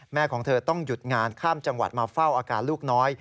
ของเธอต้องหยุดงานข้ามจังหวัดมาเฝ้าอาการลูกน้อย